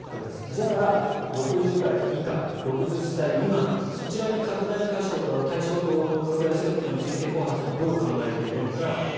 じゃあ６０代以下、６０歳未満そちらに対象を拡大することについて小原さんはどう考えているのか。